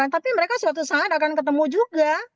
tapi mereka suatu saat akan ketemu juga